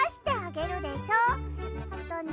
あとね